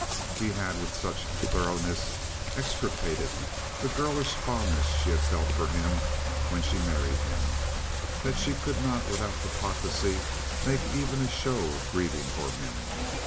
He had with such thoroughness extirpated the girlish fondness she had felt for him when she married him, that she could not without hypocrisy make even a show of grieving for him.